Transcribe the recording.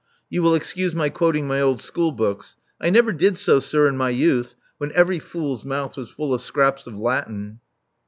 You will excuse my quoting my old school books. I never did so, sir, in my youth, when every fool*s mouth was full of scraps of Latin.